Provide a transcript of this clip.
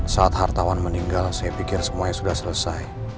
saat hartawan meninggal saya pikir semuanya sudah selesai